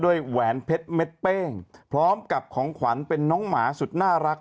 แหวนเพชรเม็ดเป้งพร้อมกับของขวัญเป็นน้องหมาสุดน่ารัก